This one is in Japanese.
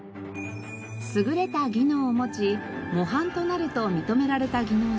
優れた技能を持ち模範となると認められた技能者